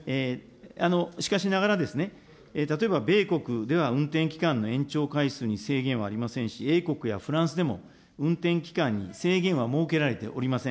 しかしながら、例えば、米国では運転期間の延長回数に制限はありませんし、英国やフランスでも運転期間に制限は設けられておりません。